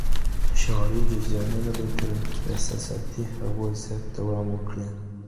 شعوري جريانونه به تر احساساتي هغو زيات دوام وکړي.